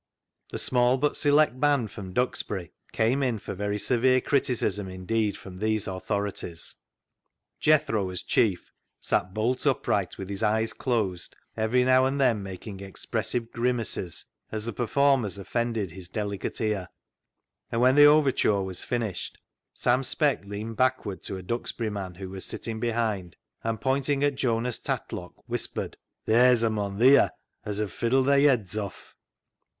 The small but select band from Duxbury came in for very severe criticism indeed from these authorities. Jethro, as chief, sat bolt upright with his eyes closed, every now and then making expressive grimaces as the per formers offended his delicate ear ; and, when the overture was finished, Sam Speck leaned back ward to a Duxbury man who was sitting behind, and pointing at Jonas Tatlock, whis pered —" Ther's a mon theere as 'ud fiddle the'r yeds off."